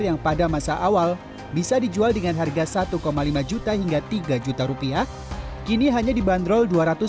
yang pada masa awal bisa dijual dengan harga satu lima juta hingga tiga juta rupiah kini hanya dibanderol